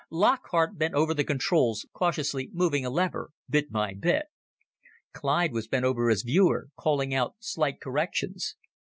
Lockhart bent over the controls, cautiously moving a lever bit by bit. Clyde was bent over his viewer, calling out slight corrections.